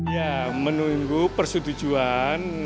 ya menunggu persetujuan